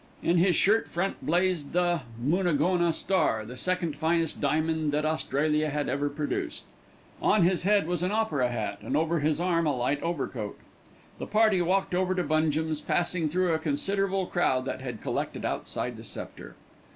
In his shirt front blazed the "Moonagoona star, the second finest diamond that Australia had ever produced." On his head was an opera hat, and over his arm a light overcoat. The party walked over to Bungem's, passing through a considerable crowd that had collected outside the Sceptre.